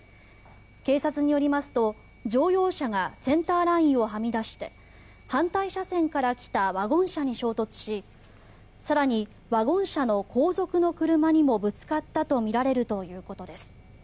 警察によりますと、乗用車がセンターラインをはみ出して反対車線から来たワゴン車に衝突し更にワゴン車の後続の車にもぶつかったとみられるということです。